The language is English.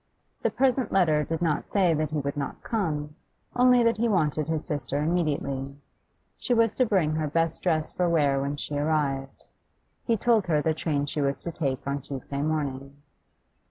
The present letter did not say that he would not come, only that he wanted his sister immediately. She was to bring her best dress for wear when she arrived. He told her the train she was to take on Tuesday morning.